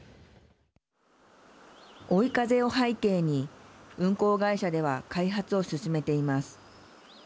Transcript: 追い風を背景に運行会社では開発を進めています。